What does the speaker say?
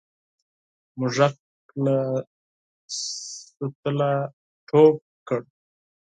موږک له سطله ټوپ کړ.